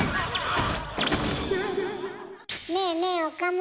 ねえねえ岡村。